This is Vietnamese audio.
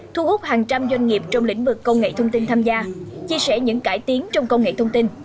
thu hút hàng trăm doanh nghiệp trong lĩnh vực công nghệ thông tin tham gia chia sẻ những cải tiến trong công nghệ thông tin